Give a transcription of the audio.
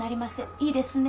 いいですね。